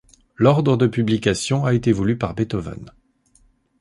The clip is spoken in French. L'ordre de publication a été voulu par Beethoven.